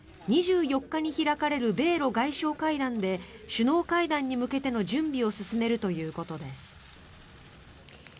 ２４日に開かれる米ロ外相会談で首脳会談に向けての準備を進めるということです。